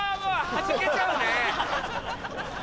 はじけちゃうね。